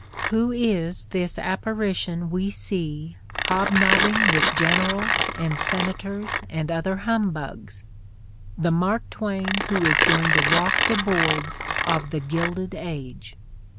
... Who is this apparition we see "hobnobbing with generals and senators and other humbugs"? The Mark Twain who is going to walk the boards of the Gilded Age.